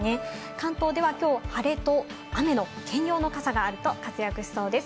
関東では今日は晴れと雨の兼用の傘があると活躍しそうです。